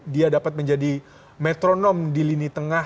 dia dapat menjadi metronom di lini tengah